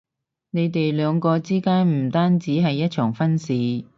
你哋兩個之間唔單止係一場婚事